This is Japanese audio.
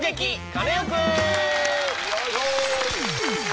カネオくん」！